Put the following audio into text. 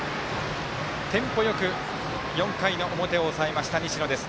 テンポよく４回の表を抑えました西野です。